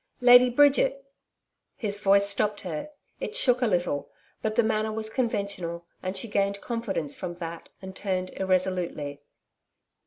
'Lady Bridget!' His voice stopped her. It shook a little, but the manner was conventional, and she gained confidence from that and turned irresolutely.